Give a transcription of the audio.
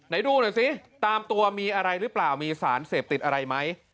ดูหน่อยซิตามตัวมีอะไรหรือเปล่ามีสารเสพติดอะไรไหม